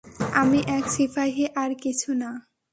আমি এক সিপাহী আর কিছু না।